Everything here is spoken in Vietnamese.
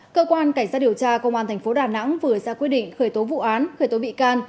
cơ quan cảnh sát điều tra công an tp đà nẵng vừa ra quyết định khởi tố vụ án khởi tố bị can